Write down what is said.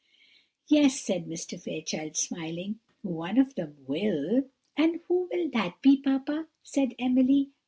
"Yes," said Mr. Fairchild, smiling, "one of them will." "And who will that be, papa?" said Emily.